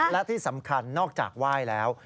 และที่สำคัญนอกจากไหว้แล้ว